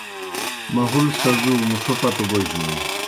مہُل سزُو مُڇھو پتو بوجنَن۔